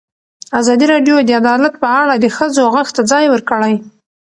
ازادي راډیو د عدالت په اړه د ښځو غږ ته ځای ورکړی.